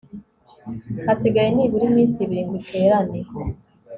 hasigaye nibura iminsi ibiri ngo iterane